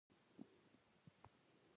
زه هڅه کوم چې له پلاستيکه لږ استفاده وکړم.